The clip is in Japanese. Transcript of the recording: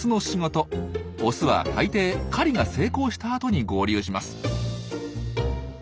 オスは大抵狩りが成功したあとに合流します。